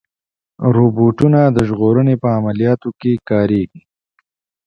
روبوټونه د ژغورنې په عملیاتو کې کارېږي.